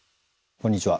こんにちは。